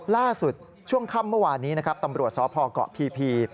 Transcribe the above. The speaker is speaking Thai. ล่าสุดช่วงค่ำเมื่อวานนี้นะครับตำรวจสพเกาะพี